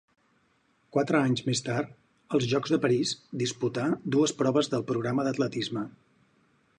Quatre anys més tard, als Jocs de París, disputà dues proves del programa d'atletisme.